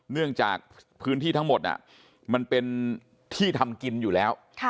เนื่องจากพื้นที่ทั้งหมดมันเป็นที่ทำกินอยู่แล้ว